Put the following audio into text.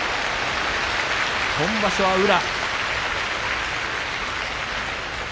今場所は宇良。